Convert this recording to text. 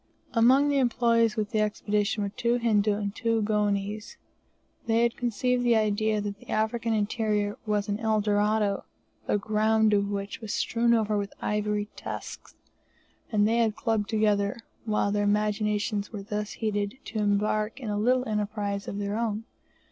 Among the employees with the Expedition were two Hindi and two Goanese. They had conceived the idea that the African interior was an El Dorado, the ground of which was strewn over with ivory tusks, and they had clubbed together; while their imaginations were thus heated, to embark in a little enterprise of their own.